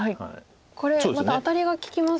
これまたアタリが利きますよね。